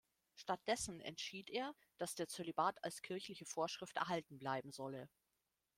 Stattdessen entschied er, dass der Zölibat als kirchliche Vorschrift erhalten bleiben solle.